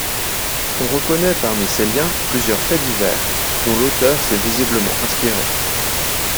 On reconnaît parmi ces liens plusieurs faits divers dont l'auteur s'est visiblement inspiré.